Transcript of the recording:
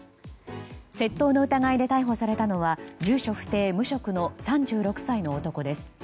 窃盗の疑いで逮捕されたのは住所不定・無職の３６歳の男です。